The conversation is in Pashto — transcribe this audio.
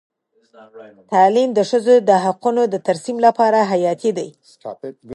تعلیم د ښځو د حقونو د ترسیم لپاره حیاتي دی.